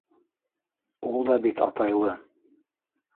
Ул да бит атайлы.